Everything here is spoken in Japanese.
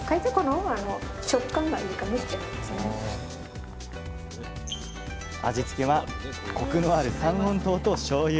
かえって味付けはコクのある三温糖としょうゆ。